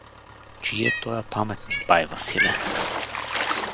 — Чий е тоя паметник, бай Василе?